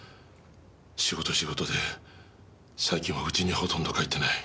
仕事仕事で最近は家にほとんど帰ってない。